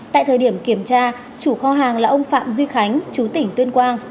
tại thời điểm kiểm tra chủ kho hàng là ông phạm duy khánh chú tỉnh tuyên quang